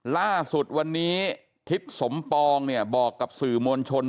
ล่าสุดวันนี้ทิศสมปองเนี่ยบอกกับสื่อมวลชน